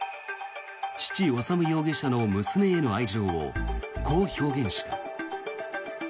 父・修容疑者の娘への愛情をこう表現した。